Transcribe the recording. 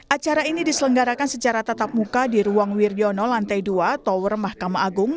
acara ini diselenggarakan secara tatap muka di ruang wirjono lantai dua tower mahkamah agung